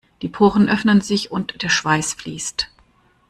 Die Poren öffnen sich und der Schweiß fließt.